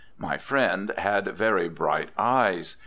My friend had very bright eyes.